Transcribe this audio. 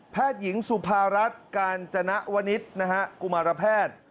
แพทย์หญิงสุภารัฐกาญจนวนิสร์กุมารแพทย์